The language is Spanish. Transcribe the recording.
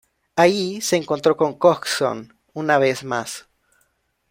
Allí, se encontró con Coxon una vez más.